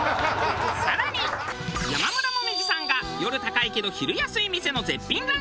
更に山村紅葉さんが夜高いけど昼安い店の絶品ランチを堪能！